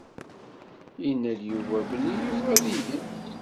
Yenna-d Yuba belli yebɣa ad igen.